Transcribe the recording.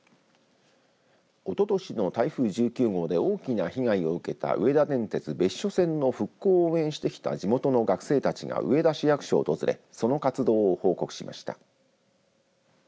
おととしの台風１９号で大きな被害を受けた上田電鉄別所線の復興を応援してきた地元の学生たちが上田市役所を訪れその活動を報告しました。